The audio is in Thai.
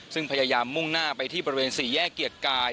ซึ่งพยายามมุ่งหน้าไปที่บริเวณสี่แยกเกียรติกาย